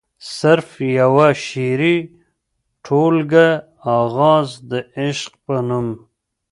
صرف يوه شعري ټولګه “اغاز َد عشق” پۀ نوم